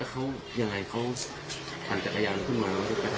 แล้วเขายังไงเขาปั่นจักรยานขึ้นมาแล้ว